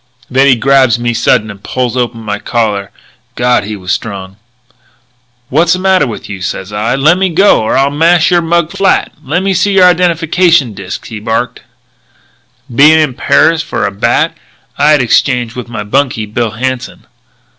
"Then he grabs me sudden and pulls open my collar. God, he was strong. "'What's the matter with you?' says I. 'Lemme go or I'll mash your mug flat.' 'Lemme see your identification disc,' he barks. "Bein' in Paris for a bat, I had exchanged with my bunkie, Bill Hanson.